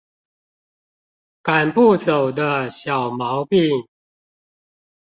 趕不走的小毛病